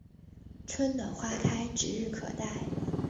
春暖花开指日可待